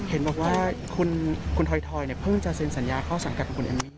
เห็นบอกว่าคุณถอยเพิ่งจะเซ็นสัญญาเข้าสังกัดของคุณเอมมี่